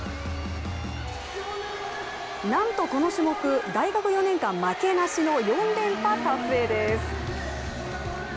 なんとこの種目、大学４年間負けなしの４連覇達成です。